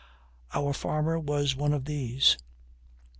Our farmer was one of these.